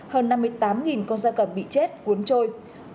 hơn năm mươi tám con da cầm bị chết cuốn trôi